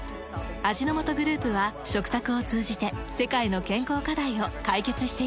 味の素グループは食卓を通じて世界の健康課題を解決していきます。